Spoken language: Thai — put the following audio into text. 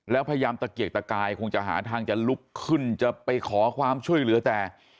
แล้วพยายามตะเกียกตะกายคงจะหาทางจะลุกขึ้นจะไปขอความช่วยเหลือแต่